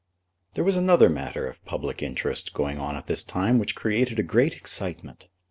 There was another matter of public interest going on at this time which created a great excitement.